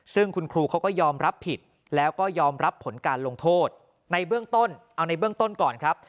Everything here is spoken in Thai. ซึ่งคุณครูเขาก็ยอมรับผิดแล้วก็ยอมรับผลการลงโทษในเบื้องต้นเอาในเบื้องต้นก่อนครับ